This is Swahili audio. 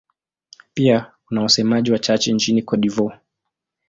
Pia kuna wasemaji wachache nchini Cote d'Ivoire.